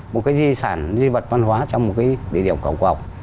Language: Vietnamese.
một cái di sản di vật văn hóa trong một cái địa điểm khảo học